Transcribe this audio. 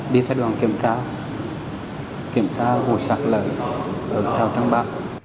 đi theo đoàn kiểm tra kiểm tra vụ sạc lợi ở rào trang ba